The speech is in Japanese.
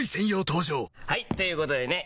登場はい！ということでね